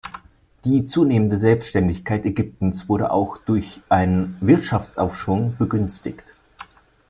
Die zunehmende Selbständigkeit Ägyptens wurde auch durch einen Wirtschaftsaufschwung begünstigt.